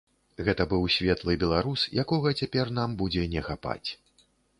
Гэта быў светлы беларус, якога цяпер нам будзе не хапаць.